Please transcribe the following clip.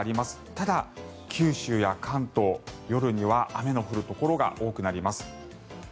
ただ、九州や関東、夜には雨の降るところが多くなります。